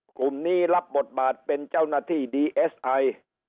กลุ่มนี้รับบทบาทเป็นเจ้าหน้าที่ดีเอสไอ